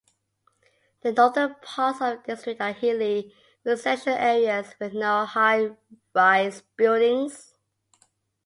The northern parts of the district are hilly, residential areas, with no high-rise buildings.